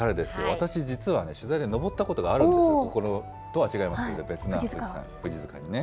私、実は取材で登ったことあるんです、こことは違いますけど、別な、やっぱり富士塚にね。